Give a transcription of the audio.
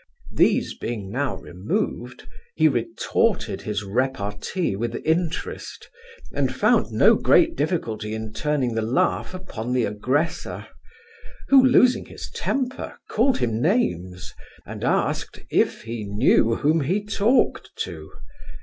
These being now removed, he retorted his repartee with interest, and found no great difficulty in turning the laugh upon the aggressor; who, losing his temper, called him names, and asked, If he knew whom he talked to?